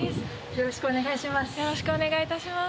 よろしくお願いします